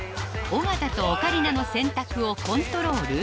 尾形とオカリナの選択をコントロール？